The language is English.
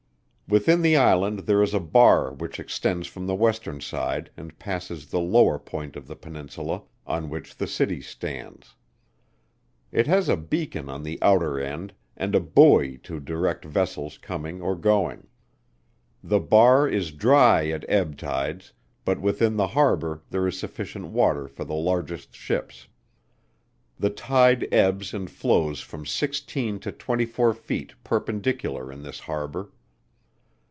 Within the island there is a bar which extends from the western side, and passes the lower point of the peninsula, on which the city stands. It has a beacon on the outer end, and a buoy to direct vessels coming or going. The bar is dry at ebb tides, but within the harbour there is sufficient water for the largest ships. The tide ebbs and flows from sixteen to twenty four feet perpendicular in this harbour.